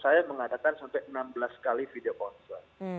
saya mengadakan sampai enam belas kali video ponsel